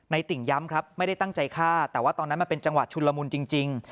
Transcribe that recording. ติ่งย้ำครับไม่ได้ตั้งใจฆ่าแต่ว่าตอนนั้นมันเป็นจังหวะชุนละมุนจริง